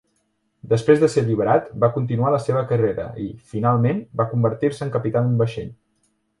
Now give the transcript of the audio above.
Després de ser alliberat, va continuar la seva carrera i, finalment, va convertir-se en capità d'un vaixell.